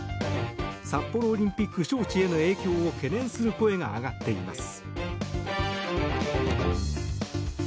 札幌オリンピック招致への影響を懸念する声が上がっています。